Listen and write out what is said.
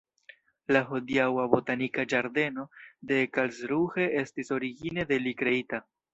La hodiaŭa botanika ĝardeno de Karlsruhe estis origine de li kreita.